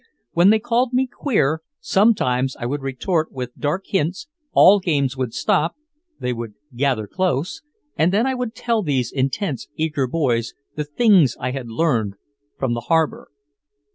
When they called me queer, sometimes I would retort with dark hints, all games would stop, they would gather close, and then I would tell these intense eager boys the things I had learned from the harbor.